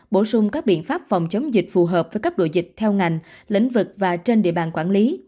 bổ sung các biện pháp phòng chống dịch phù hợp với cấp độ dịch theo ngành lĩnh vực và trên địa bàn quản lý